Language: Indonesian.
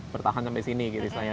bertahan sampai sini kiri saya